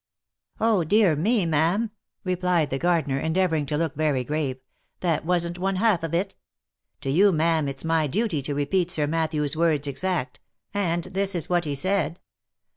" Oh ! dear me, ma'am," replied the gardener, endeavouring to look very grave, " that wasn't one half of it. To you, ma'am, it's my duty to repeat Sir Matthew's words exact, and this is what he said.